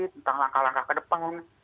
tentang langkah langkah ke depan